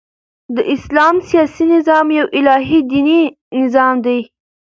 د اسلام سیاسي نظام یو الهي دیني نظام دئ.